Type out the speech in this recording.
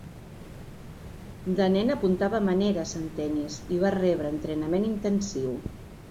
De nen apuntava maneres en tennis i va rebre entrenament intensiu.